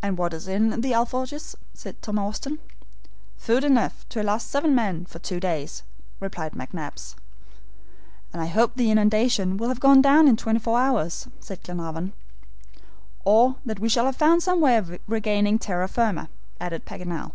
"And what is in the ALFORJAS?" asked Tom Austin. "Food enough to last seven men for two days," replied McNabbs. "And I hope the inundation will have gone down in twenty four hours," said Glenarvan. "Or that we shall have found some way of regaining terra firma," added Paganel.